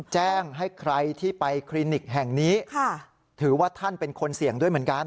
แจ้งให้ใครที่ไปคลินิกแห่งนี้ถือว่าท่านเป็นคนเสี่ยงด้วยเหมือนกัน